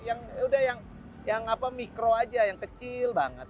yang udah yang mikro aja yang kecil banget